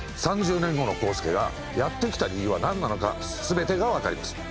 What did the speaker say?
３０年後の康介がやって来た理由はなんなのか全てがわかります。